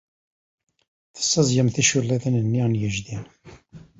Tessaẓyem ticulliḍin-nni n yejdi.